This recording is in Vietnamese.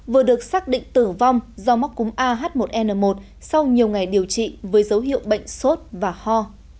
vừa được xác định tử vong do mắc cúng ah một n một sau nhiều ngày điều trị với dấu hiệu bệnh sốt và ho